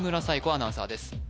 アナウンサーです